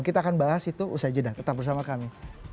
kita akan bahas itu usai jeda tetap bersama kami